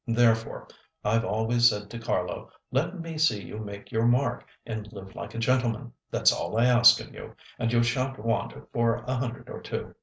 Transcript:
Therefore I've always said to Carlo, 'Let me see you make your mark, and live like a gentleman. That's all I ask of you, and you sha'n't want for a hundred or two.